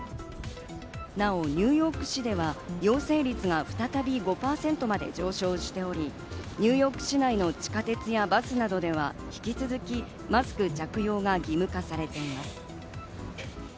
なおニューヨーク市では陽性率が再び５％まで上昇しており、ニューヨーク市内の地下鉄やバスなどでは引き続きマスク着用が義務化されています。